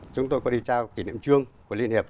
chúng tôi có đi trao kỷ niệm trương của liên hiệp